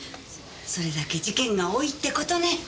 それだけ事件が多いって事ね。